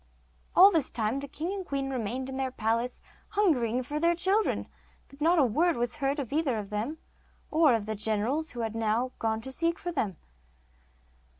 All this time the king and queen remained in their palace hungering for their children, but not a word was heard of either of them or of the generals who had gone to seek for them.